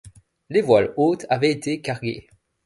Les voiles hautes avaient été carguées.